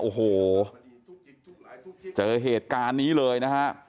โอ้โหเจอเหตุการณ์นี้เลยนะฮะ